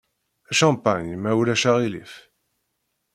Champagne, ma ulac aɣilif.